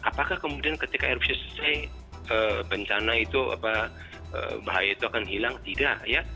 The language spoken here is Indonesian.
apakah kemudian ketika erupsi selesai bencana itu bahaya itu akan hilang tidak ya